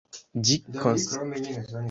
Ĝi estis konstruita honore al la suna dio Reo.